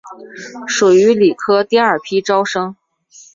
属于理科第二批招生。